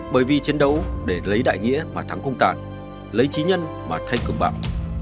bởi vì chiến đấu để lấy đại nghĩa mà thắng không tàn lấy trí nhân mà thay cướp bạc